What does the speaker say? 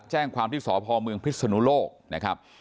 แจ้งความที่สพเมืองพิศนุโลกนะครับ